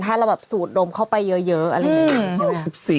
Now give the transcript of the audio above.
ถ้าเราสูดดมเข้าไปเยอะอะไรอย่างนี้